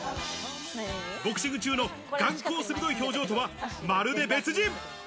ボクシング中の眼光鋭い表情とはまるで別人。